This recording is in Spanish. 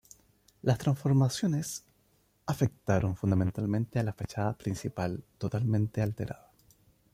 Las transformaciones afectaron fundamentalmente a la fachada principal, totalmente alterada.